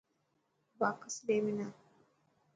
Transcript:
باڪس ڏي منا.